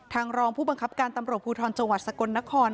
รองผู้บังคับการตำรวจภูทรจังหวัดสกลนคร